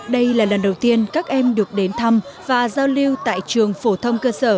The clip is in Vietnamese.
đây là lần đầu tiên các em được đến thăm và giao lưu tại trường phổ thông cơ sở